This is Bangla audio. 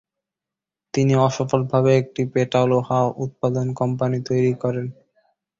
তিনি অসফলভাবে একটি পেটা লোহা উৎপাদন কোম্পানী তৈরি করেন।